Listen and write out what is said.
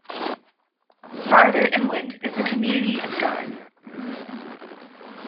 Farther inland is the community of Dime.